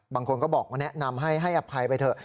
บางคนก็แนะนำให้อภัยไปเถอะ